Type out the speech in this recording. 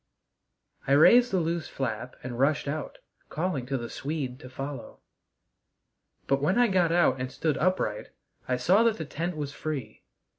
I raised the loose flap and rushed out, calling to the Swede to follow. But when I got out and stood upright I saw that the tent was free.